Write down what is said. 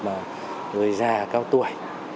mà người già cao tuổi